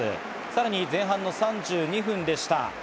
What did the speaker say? さらに前半の３２分でした。